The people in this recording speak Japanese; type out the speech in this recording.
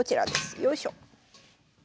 よいしょ。